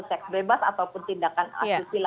seks bebas ataupun tindakan asusila